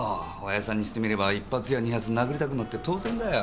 親父さんにしてみれば１発や２発殴りたくなって当然だよ。